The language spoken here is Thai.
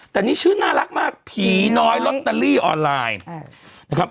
แต่นี่ชื่อน่ารักมากผีน้อยลอตเตอรี่ออนไลน์นะครับ